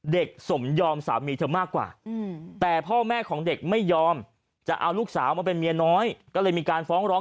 สมยอมสามีเธอมากกว่าแต่พ่อแม่ของเด็กไม่ยอมจะเอาลูกสาวมาเป็นเมียน้อยก็เลยมีการฟ้องร้อง